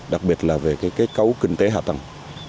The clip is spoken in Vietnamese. đặc biệt là về kết cấu kinh tế hạ tầng